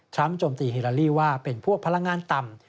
โจมตีฮิลาลีว่าเป็นพวกพลังงานต่ำ